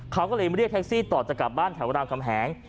เขาก็เลยมาเรียกแท็กซี่ต่อจะกลับบ้านแถวรามคำแหง